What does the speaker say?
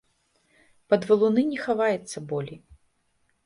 Пад валуны не хаваецца болей.